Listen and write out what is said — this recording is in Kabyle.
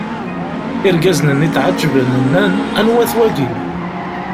Irgazen-nni tɛeǧǧben, nnan: Anwa-t wagi?